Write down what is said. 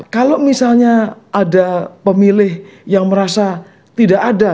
kalau misalnya ada pemilih yang merasa tidak ada